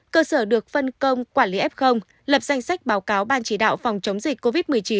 cơ sở được phân công quản lý f lập danh sách báo cáo ban chỉ đạo phòng chống dịch covid một mươi chín